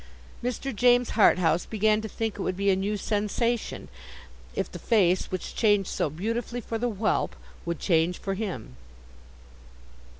Mr. James Harthouse began to think it would be a new sensation, if the face which changed so beautifully for the whelp, would change for him.